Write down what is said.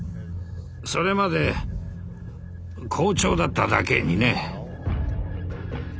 それまで好調だっただけにね。